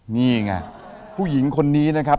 นี่ไงผู้หญิงคนนี้นะครับ